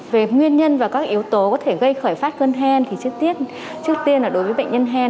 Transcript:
về nguyên nhân và các yếu tố có thể gây khởi phát cơn hen thì trước tiết trước tiên là đối với bệnh nhân hen